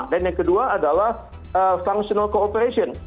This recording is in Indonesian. dan yang kedua adalah fungsional cooperation